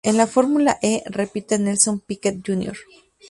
En la Fórmula E repite Nelson Piquet, jr.